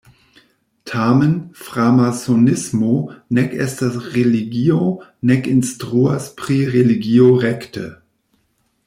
Tamen, framasonismo nek estas religio, nek instruas pri religio rekte.